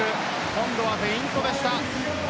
今度はフェイントでした。